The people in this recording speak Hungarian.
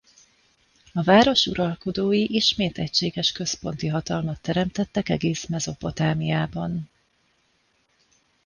A város uralkodói ismét egységes központi hatalmat teremtettek egész Mezopotámiában.